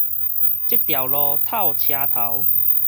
這條路透車頭